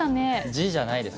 字じゃないです